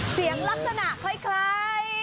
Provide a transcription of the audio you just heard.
เสียงลักษณะคล้าย